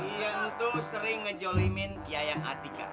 si yang tuh sering ngejolemin kiayang adhika